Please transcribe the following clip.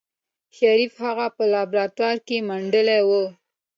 شريف هغه په لابراتوار کې منډلې وه.